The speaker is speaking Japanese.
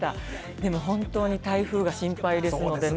でも本当に台風が心配ですのでね